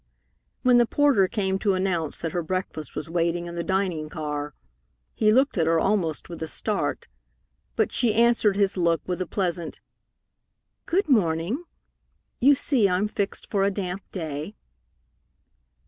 When the porter came to announce that her breakfast was waiting in the dining car, he looked at her almost with a start, but she answered his look with a pleasant, "Good morning. You see I'm fixed for a damp day."